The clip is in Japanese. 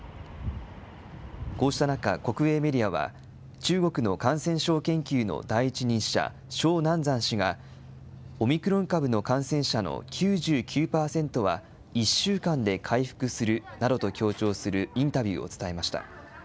こうした中、国営メディアは、中国の感染症研究の第一人者、鍾南山氏がオミクロン株の感染者の９９％は１週間で回復するなどと強調するインタビューを伝えました。